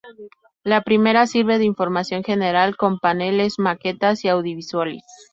La primera sirve de información general con paneles, maquetas y audiovisuales.